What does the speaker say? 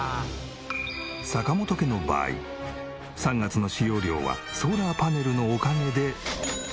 坂本家の場合３月の使用料はソーラーパネルのおかげで。